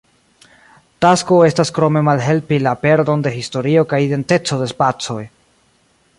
Tasko estas krome malhelpi la perdon de historio kaj identeco de spacoj.